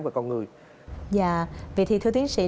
và con người dạ vậy thì thưa tiến sĩ